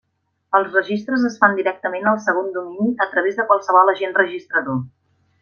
Els registres es fan directament al segon domini a través de qualsevol agent registrador.